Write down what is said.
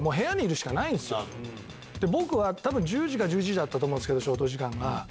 僕は１０時か１１時だったと思うんですけど消灯時間が。